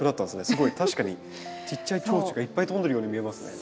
すごい確かにちっちゃいチョウチョがいっぱい飛んでるように見えますね。